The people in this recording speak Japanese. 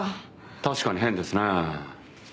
確かに変ですねえ。